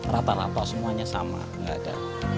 rata rata semuanya sama nggak ada